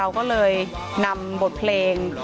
เอาไว้กันเลยค่ะเอาไว้กันเลยค่ะ